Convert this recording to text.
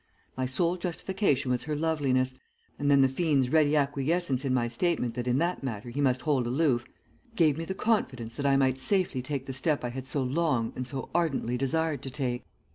My sole justification was her loveliness, and then the fiend's ready acquiescence in my statement that in that matter he must hold aloof gave me confidence that I might safely take the step I had so long and so ardently desired to take.